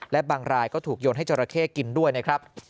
และบางรายก็ถูกโยนให้จราเข้กินด้วยนะครับ